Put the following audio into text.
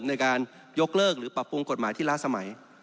ในการยกเลิกหรือปรับปรุงกฎหมายที่ล้าสมัย